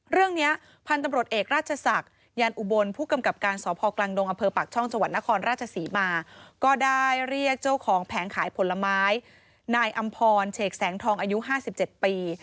เรื่องนี้พันธุ์ตำรวจเอกราชศักดิ์ยันอุบลผู้กำกับการสพกลางดงอำเภอปากช่องจังหวัดนครราชศรีมาก็ได้เรียกเจ้าของแผงขายผลไม้นายอำพรเฉกแสงทองอายุ๕๗ปี